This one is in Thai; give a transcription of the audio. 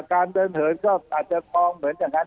การเดินเหินก็อาจจะมองเหมือนอย่างนั้น